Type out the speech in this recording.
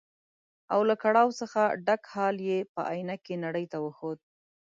او له کړاو څخه ډک حال یې په ائينه کې نړۍ ته وښود.